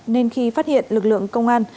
nên khi phát hiện lực lượng công an